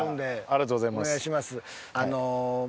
ありがとうございます。